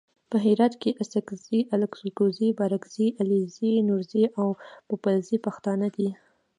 په هرات کې اڅګزي الکوزي بارګزي علیزي نورزي او پوپلزي پښتانه دي.